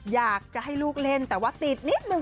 อยากจะให้ลูกเล่นแต่ว่าติดนิดนึง